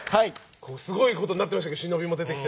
すごいことになってましたが忍も出てきて。